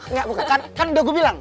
enggak bukan kan udah gue bilang